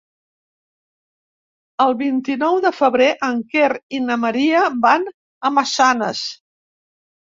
El vint-i-nou de febrer en Quer i na Maria van a Massanes.